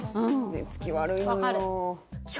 寝つき悪いのよ